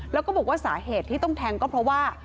แล้วก็บอกว่าสาเหตุที่ต้องแทงก็เพราะว่า